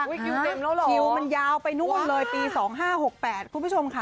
คิวเต็มแล้วเหรอคิวมันยาวไปนู่นเลยปี๒๕๖๘คุณผู้ชมค่ะ